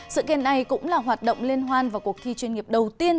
sự kiện này cũng là hoạt động liên hoan và cuộc thi chuyên nghiệp đầu tiên